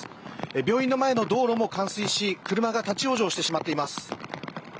病院の前の道路も冠水し、車が立ち往生してしまっています。